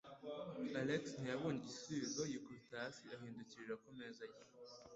Alex ntiyabonye igisubizo, yikubita hasi ahindukirira ku meza ye.